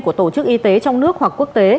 của tổ chức y tế trong nước hoặc quốc tế